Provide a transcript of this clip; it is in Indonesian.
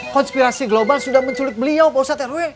konspirasi global sudah menculik beliau